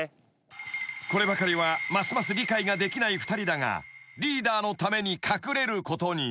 ［こればかりはますます理解ができない２人だがリーダーのために隠れることに］